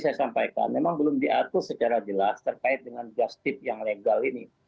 saya sampaikan memang belum diatur secara jelas terkait dengan justip yang legal ini